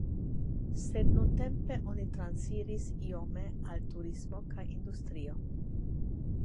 Sed nuntempe oni transiris iome al turismo kaj industrio.